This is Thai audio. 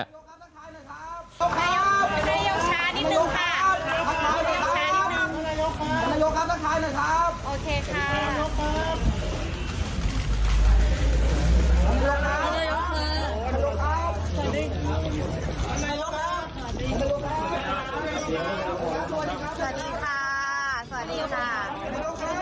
สวัสดีครับสวัสดีค่ะสวัสดีค่ะ